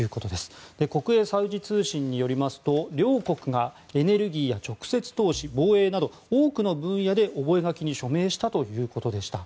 国営サウジ通信によりますと両国がエネルギーや直接投資防衛など多くの分野で、覚書に署名したということでした。